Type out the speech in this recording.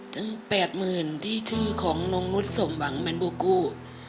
จึง๘๐๐๐๐ที่ชื่อของน้องนุษย์สมหวังแมนบูกู